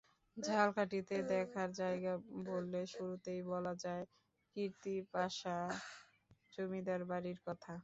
ঝালকাঠিতে দেখার জায়গা বললে শুরুতেই বলা যায় কীর্তিপাশা জমিদার বাড়ির কথা।